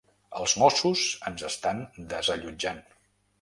Els mossos ens estan desallotjant.